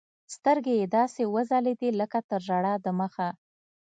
سترګې يې داسې وځلېدې لكه تر ژړا د مخه.